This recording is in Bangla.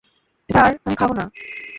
স্যার, আমি খাবো না।